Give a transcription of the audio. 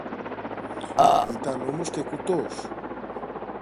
Ήταν όμως και κουτός!